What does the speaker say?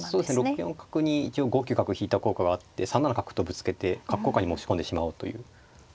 ６四角に一応５九角引いた効果があって３七角とぶつけて角交換に持ち込んでしまおうという。